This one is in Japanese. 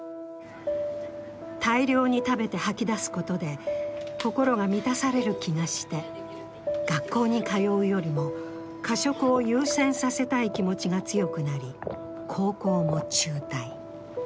大量に食べて吐き出すことで心が満たされる気がして学校に通うよりも過食を優先させたい気持ちが強くなり、高校を中退。